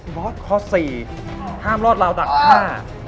บอสข้อสี่ห้ามรอดราวดักฆ่า